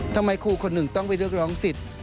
ทำไมครูคนหนึ่งต้องไปเรียกร้องสิทธิ์